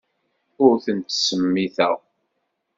Ur ten-ttsemmiteɣ.